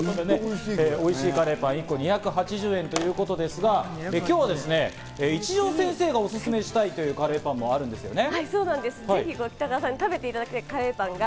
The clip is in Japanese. おいしいカレーパン、１個２８０円ということですが、今日は一条先生がオススメしたいというカレーパンもあるんですね。